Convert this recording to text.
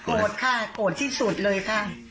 ค่ะโกรธที่สุดเลยค่ะ